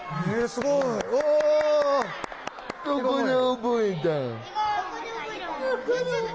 すごいね。